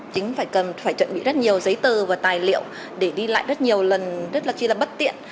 chính phải chuẩn bị rất nhiều giấy tờ và tài liệu để đi lại rất nhiều lần rất là chi là bất tiện